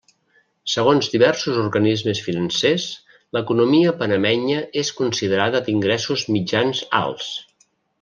Segons diversos organismes financers l'economia panamenya és considerada d'ingressos mitjans-alts.